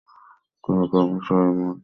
ক্রমে ক্রমে শশীর মন শান্ত হইয়াছে।